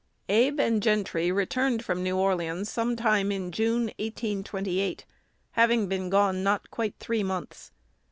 ABE and Gentry returned from New Orleans some time in June, 1828, having been gone not quite three months.